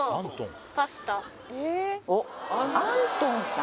おっアントンさん？